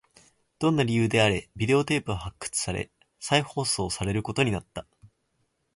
どんな理由であれ、ビデオテープは発掘され、再放送されることになった